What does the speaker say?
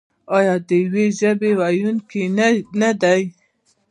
آیا د یوې ژبې ویونکي نه دي؟